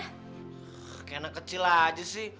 kayak anak kecil aja sih